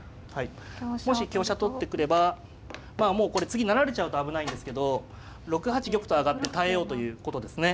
もし香車取ってくればもうこれ次成られちゃうと危ないんですけど６八玉と上がって耐えようということですね。